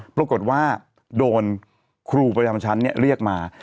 ปรากฏว่าโดนครูประจำชั้นเรียกมา